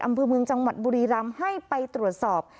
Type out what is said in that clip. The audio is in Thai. อำเภอเมืองจังหวัดบุรีรำให้ไปตรวจสอบ